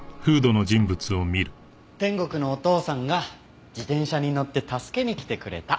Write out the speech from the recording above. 天国のお父さんが自転車に乗って助けに来てくれた。